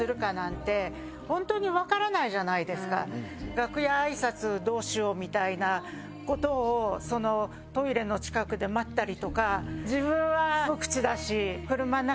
楽屋挨拶どうしよう？みたいなことをトイレの近くで待ったりとか。